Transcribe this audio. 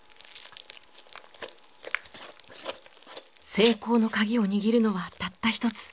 成功の鍵をにぎるのはたった一つ。